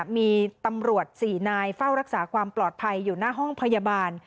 มีตำรวจ๔นายเฝ้ารักษาความปลอดภัยอยู่หน้าห้องพยาบาล